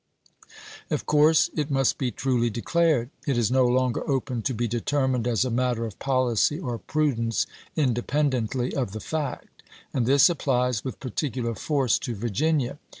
Of coiu'se it must be truly declared. It is no longer open to be determined as a matter of policy or prudence indepen dently of the fact. And this applies with particular force to Virginia.